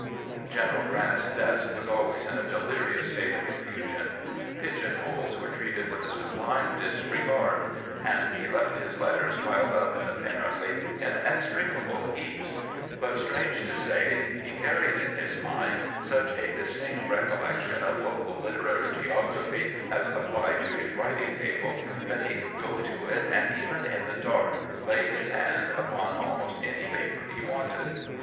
General Grant's desk was always in a delirious state of confusion; pigeon holes were treated with a sublime disregard, and he left his letters piled up in apparently inextricable heaps; but, strange to say, he carried in his mind such a dis tinct recollection of local literary geography as applied to his writing table that he could go to it and even in the dark lay his hand upon almost any paper he wanted.